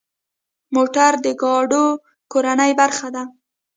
موټر د ګاډو کورنۍ برخه ده.